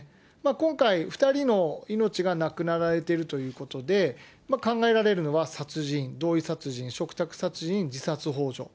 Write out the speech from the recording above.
今回、２人の命が亡くなられているということで、考えられるのは殺人、同意殺人、嘱託殺人、自殺ほう助。